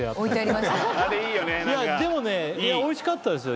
何かいやでもねおいしかったですよ